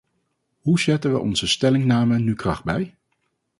Hoe zette we onze stellingname nu kracht bij?